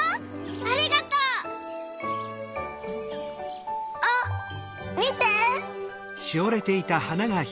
ありがとう。あっみて。